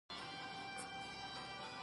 مناشیر خط؛ د خط یو ډول دﺉ.